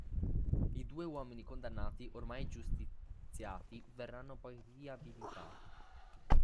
I due uomini condannati, ormai giustiziati, verranno poi riabilitati.